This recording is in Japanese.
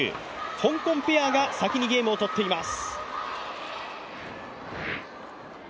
香港ペアが先にゲームをとっています。